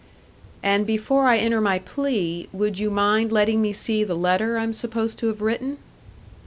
"And before I enter my plea, would you mind letting me see the letter I'm supposed to have written."